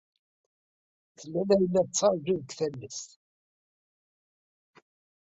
Tella Layla tettṛaju deg talest.